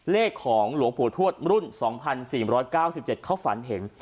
เลขของหลวงปู่ทวดรุ่น๒๔๙๗เขาฝันเห็น